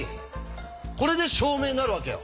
これで証明になるわけよ。